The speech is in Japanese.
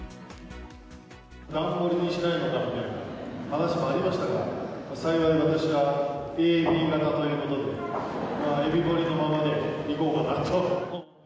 ダンモリにしないのかみたいな話もありましたが、幸い私はＡＢ型ということで、エビモリのままでいこうかなと。